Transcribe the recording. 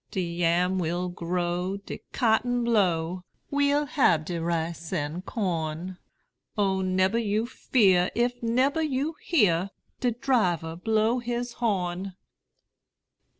De yam will grow, de cotton blow, We'll hab de rice an' corn: O nebber you fear, if nebber you hear De driver blow his horn!